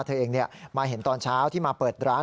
เธอเองมาเห็นตอนเช้าที่มาเปิดร้าน